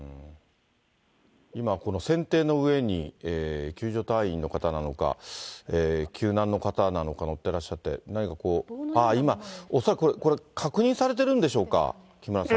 今、この船底の上に、救助隊員の方なのか、救難の方なのか乗ってらっしゃって、何かこう、今、恐らくこれ、確認されてるんでしょうか、木村さん。